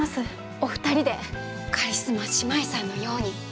お二人でカリスマ姉妹さんのように。